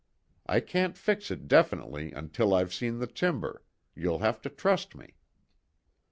I can't fix it definitely until I've seen the timber you'll have to trust me."